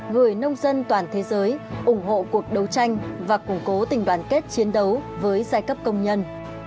người nông dân toàn thế giới ủng hộ cuộc đấu tranh và củng cố tình đoàn kết chiến đấu với giai cấp công nhân